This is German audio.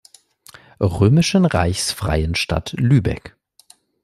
Römischen Reichs freyen Stadt Lübeck"